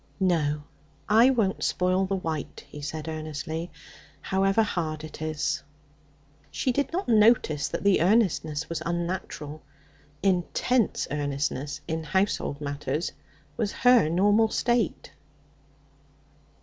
'No, I won't spoil the white,' he said earnestly, 'however hard it is.' She did not notice that the earnestness was unnatural; intense earnestness in household matters was her normal state.